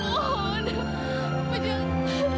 saya mohon jangan mau ibu saya